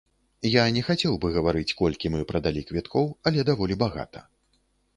Я не хацеў бы гаварыць колькі мы прадалі квіткоў, але даволі багата.